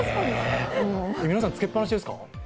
え皆さんつけっぱなしですか？